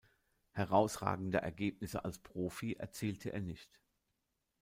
Herausragende Ergebnisse als Profi erzielte er nicht.